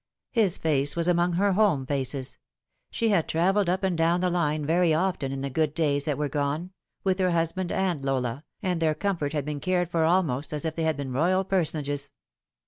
His face was among her home faces. She had travelled up and down the line very often in the good days that were gone with her husband and Lola, and their comfort had been cared for almost as if they had been royal personages.